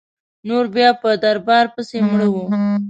نور بیا په دربار پسي مړه وه.